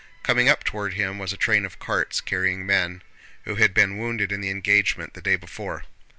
Coming up toward him was a train of carts carrying men who had been wounded in the engagement the day before.